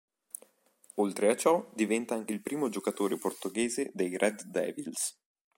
Oltre a ciò diventa anche il primo giocatore portoghese dei "Red Devils".